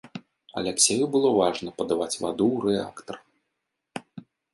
Аляксею было важна падаваць ваду ў рэактар.